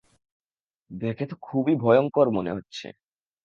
দেখে তো খুবই ভয়ংকর মনে হচ্ছে।